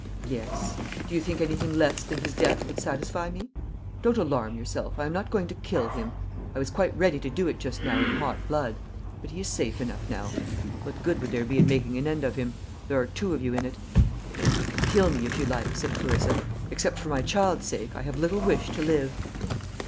"Yes. Do you think anything less than his death would satisfy me? Don't alarm yourself; I am not going to kill him. I was quite ready to do it just now in hot blood. But he is safe enough now. What good would there be in making an end of him? There are two of you in it." "You can kill me, if you like," said Clarissa "Except for my child's sake, I have little wish to live."